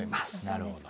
なるほど。